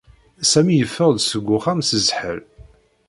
Sami yeffeɣ-d seg uxxam s zzḥel.